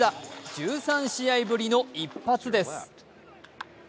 １３試合ぶりの一発です。